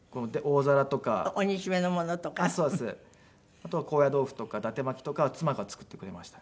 あとは高野豆腐とか伊達巻きとかは妻が作ってくれましたね。